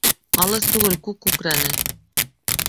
Алыҫ түгел күк күкрәне.